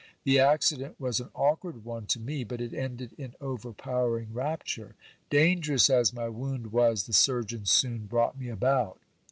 The accident was an awkward one to me, but it ended in overpowering rapture. Dangerous as my wound was, the surgeons soon brought me about.